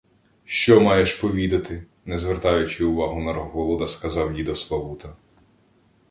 — Що маєш повідати? — не звертаючи увагу на Рогволода, сказав дідо Славута.